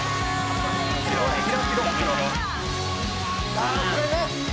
「ああこれね！」